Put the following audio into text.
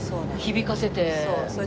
響かせて？